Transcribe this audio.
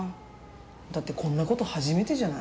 だってこんなこと初めてじゃない？